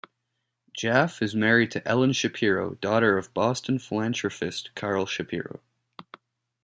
Jaffe is married to Ellen Shapiro, daughter of Boston philanthropist Carl Shapiro.